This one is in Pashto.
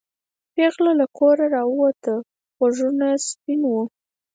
پېغله له کوره راووته غوږونه سپین وو.